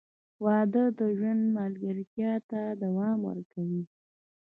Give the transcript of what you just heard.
• واده د ژوند ملګرتیا ته دوام ورکوي.